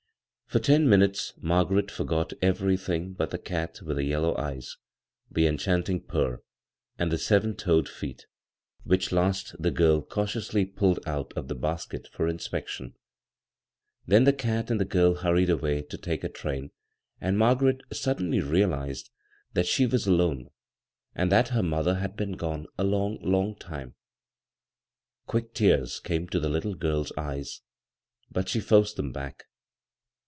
For ten minutes Margaret forgot every thing but the cat with the yellow eyes, the enchanting purr, and the seven toed fee^— which last the girl cautiously pulled out oi b, Google CROSS CURRENTS the basket for inspection ; then the cat and the girl hurried away to take a train, and Margaret suddenly realized that she was alone, and that her mother had been gone a IcMig, long time. Quick tears came to the little girl's eyes, but she forced them back.